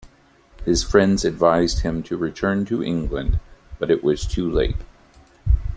His friends advised him to return to England, but it was too late.